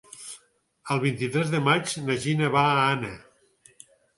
El vint-i-tres de maig na Gina va a Anna.